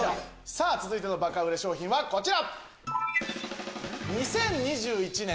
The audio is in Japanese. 続いてのバカ売れ商品はこちら！